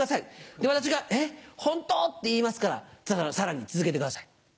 で私が「えっホント？」って言いますからさらに続けてください。